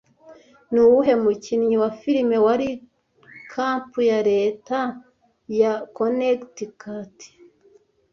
Ni uwuhe mukinnyi wa filime wari champ ya leta ya Connecticut